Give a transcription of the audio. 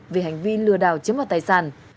vì hành vi lừa đảo chiếm vào tài sản